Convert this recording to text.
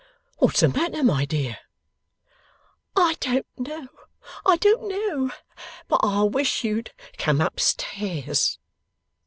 'What's the matter, my dear?' 'I don't know; I don't know; but I wish you'd come up stairs.